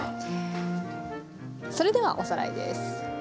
それではおさらいです。